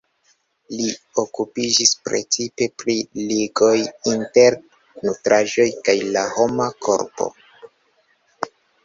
Li okupiĝis precipe pri ligoj inter nutraĵoj kaj la homa korpo.